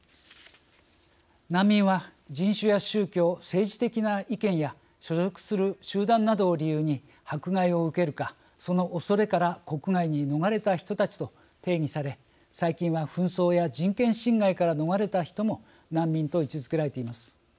難民は人種や宗教政治的な意見や所属する集団などを理由に迫害を受けるかそのおそれから国外に逃れた人たちと定義され最近は紛争や人権侵害から逃れた人も難民と位置づけられています。